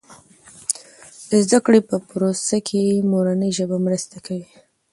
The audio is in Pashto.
د زده کړې په پروسه کې مورنۍ ژبه مرسته کوي.